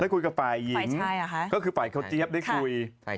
คุยกับฝ่ายหญิงก็คือฝ่ายเขาเจี๊ยบได้คุย